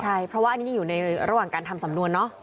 ใช่เพราะว่าอันนี้ยังอยู่ในระหว่างการทำสำนวนเนอะ